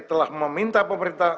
telah meminta pemerintah